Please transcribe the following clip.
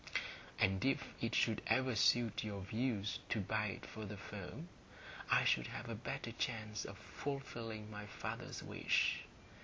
And if it should ever suit your views to buy it for the firm, I should have a better chance of fulfilling my father's wish.